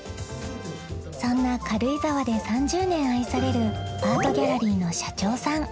そんな軽井沢で３０年愛されるアートギャラリーの社長さん